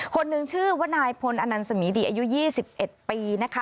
คนหนึ่งชื่อว่านายพลอนันสมีดีอายุ๒๑ปีนะคะ